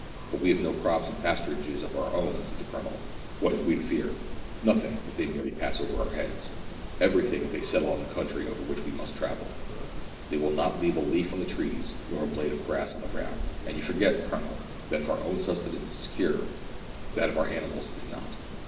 " But we have no crops and pasturages of our own," said the Colonel ; "what have we to fear .?"" Nothing, if they merely pass over our heads ; every thing, if they settle on the country over which we must travel. They will not leave a leaf on the trees, nor a blade of grass on the ground ; and you forget, Colonel, that if our own sustenance is secure, that of our animals is not.